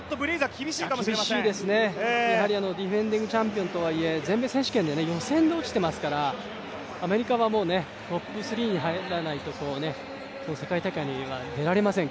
厳しいですねディフェンディングチャンピオンとはいえ全米選手権で予選で落ちていますからアメリカはもうトップ３に入らないと世界大会には出られません